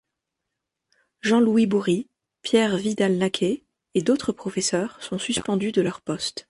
Jean-Louis Bory, Pierre Vidal-Naquet et d’autres professeurs sont suspendus de leurs postes.